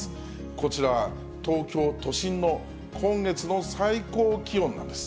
こちらは、東京都心の今月の最高気温なんです。